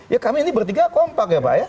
ya kami ini bertiga kompak ya pak ya